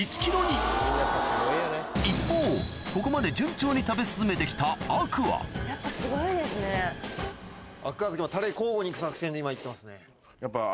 一方ここまで順調に食べ進めて来た天空海関は。